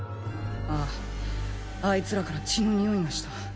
あぁあいつらから血のにおいがした。